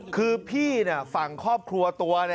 คือพี่ฝั่งครอบครัวตัว